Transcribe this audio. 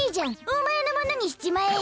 おまえのものにしちまえよ。